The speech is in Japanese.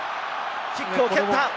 キックを蹴った！